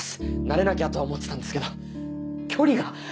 慣れなきゃとは思ってたんですけど距離が。